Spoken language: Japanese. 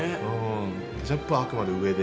ケチャップはあくまで上で。